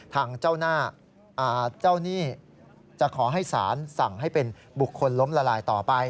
ทางเจ้าหนี้จะขอให้สารสั่งให้เป็นบุคคลล้มละลายต่อไป